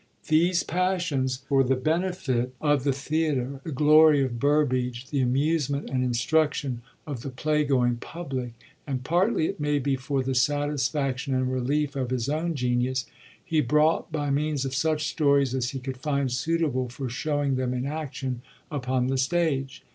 These passions,— for the benefit 155 CLASSES OF SHAKSPERE'S PLAYS of the theatre, the glory of Biirbage, the amusement and instruction of the play going public, and partly it may be for the satisfaction and relief of his own genius,— he brought, by means of such stories as he could find suitable for showing them in action, upon the stage.